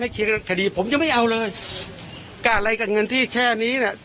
เคลียร์คดีผมยังไม่เอาเลยก้าอะไรกับเงินที่แค่นี้เนี่ย